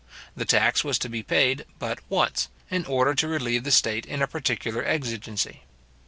The tax was to be paid but once, in order to relieve the state in a particular exigency.